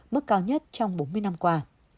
mức cao nhất trong bốn mươi năm qua